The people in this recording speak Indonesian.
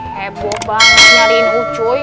heboh banget nyariin ucuy